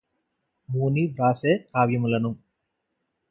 మూని వ్రాసె కావ్యములను